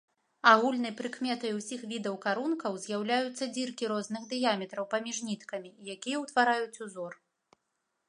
Агульнай прыкметай усіх відаў карункаў з'яўляюцца дзіркі розных дыяметраў паміж ніткамі, якія ўтвараюць ўзор.